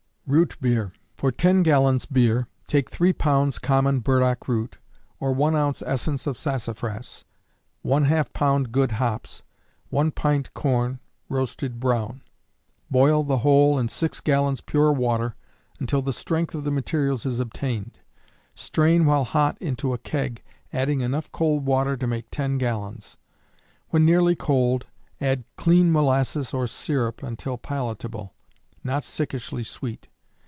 Root Beer. For 10 gallons beer, take 3 pounds common burdock root, or 1 ounce essence of sassafras; ½ pound good hops; 1 pint corn, roasted brown. Boil the whole in 6 gallons pure water until the strength of the materials is obtained; strain while hot into a keg, adding enough cold water to make 10 gallons. When nearly cold, add clean molasses or syrup until palatable, not sickishly sweet.